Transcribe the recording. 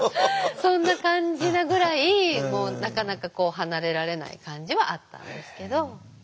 そんな感じなぐらいなかなかこう離れられない感じはあったんですけど。